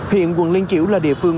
hiện quận liên chiểu là địa phương